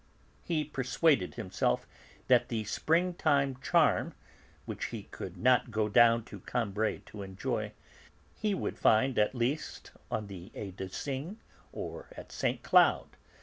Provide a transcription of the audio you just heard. He persuaded himself that the spring time charm, which he could not go down to Combray to enjoy, he would find at least on the He des Cygnes or at Saint Cloud.